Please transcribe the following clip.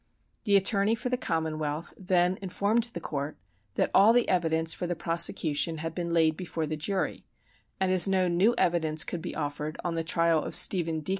The attorney for the commonwealth then informed the court that all the evidence for the prosecution had been laid before the jury; and as no new evidence could be offered on the trial of Stephen D.